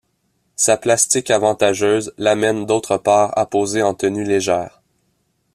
Sa plastique avantageuse l'amène d'autre part à poser en tenue légère.